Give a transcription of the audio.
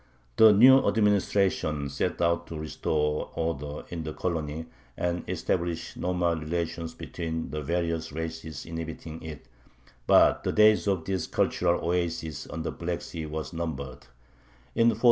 The new administration set out to restore order in the colony and establish normal relations between the various races inhabiting it; but the days of this cultural oasis on the Black Sea were numbered.